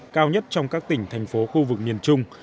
cao nhất trong các tỉnh thành phố khu vực miền trung